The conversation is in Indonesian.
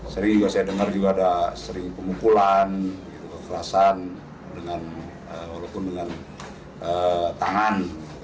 saya dengar juga ada sering pengukulan kekerasan walaupun dengan tangan